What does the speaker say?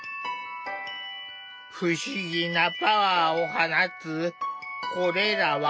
不思議なパワーを放つこれらは何なんだ？